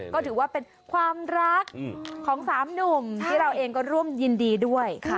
ก็ถือว่าเป็นความรักของสามหนุ่มที่เราเองก็ร่วมยินดีด้วย